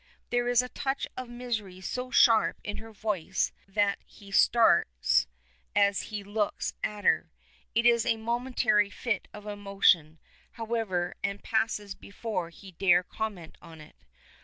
There is a touch of misery so sharp in her voice that he starts as he looks at her. It is a momentary fit of emotion, however, and passes before he dare comment on it.